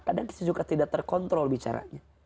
kadang kita juga tidak terkontrol bicaranya